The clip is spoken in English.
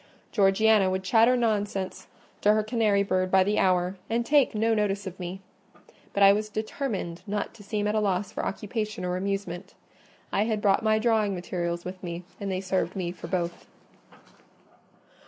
Georgiana would chatter nonsense to her canary bird by the hour, and take no notice of me. But I was determined not to seem at a loss for occupation or amusement: I had brought my drawing materials with me, and they served me for both.